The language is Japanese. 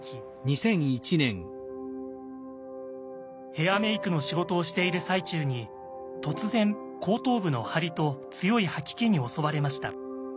ヘアメイクの仕事をしている最中に突然後頭部の張りと強い吐き気に襲われました。